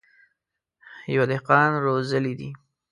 يوه دهقان روزلي دي.